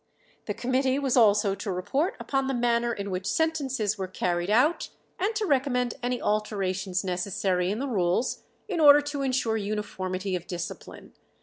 The committee was also to report upon the manner in which sentences were carried out, and to recommend any alterations necessary in the rules in order to insure uniformity of discipline.